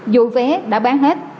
dù vé đã bán hết